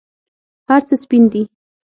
هرڅه سپین دي